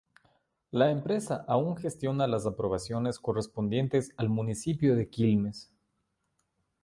La empresa aún gestiona las aprobaciones correspondientes al Municipio de Quilmes.